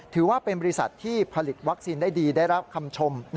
ถือว่าเป็นบริษัทที่ผลิตวัคซีนได้ดีได้รับคำชม